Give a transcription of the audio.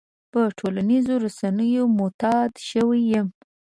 په ټولنيزو رسنيو معتاد شوی يم.